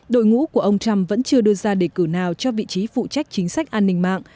đội ngũ của ông trump vẫn chưa đưa ra đề cử nào cho vị trí phụ trách chính sách an ninh mạng